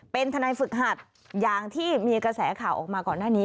เป็นทนายฝึกหัดอย่างที่มีกระแสข่าวออกมาก่อนหน้านี้